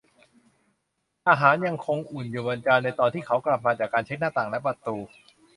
อาหารยังคงอุ่นอยู่บนจานในตอนที่เขากลับมาจากการเช็คหน้าต่างและประตู